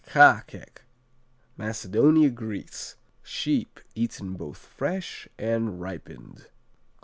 Quacheq Macedonia, Greece Sheep, eaten both fresh and ripened.